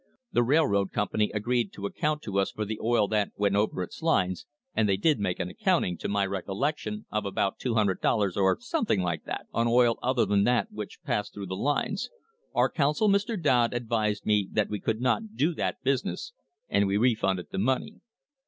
The railroad company agreed to account to us for the oil that went over its lines, and they did make an accounting, to my recollection, of about $200, or something like that, on oil other than that which passed through the lines. Our counsel, Mr. Dodd, advised me that we could not do that business, and we refunded the money.